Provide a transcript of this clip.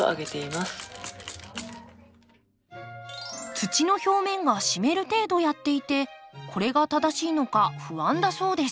土の表面が湿る程度やっていてこれが正しいのか不安だそうです。